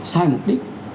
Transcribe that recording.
sai mục đích